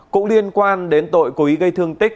cũng liên quan đến tội cố ý gây thương tích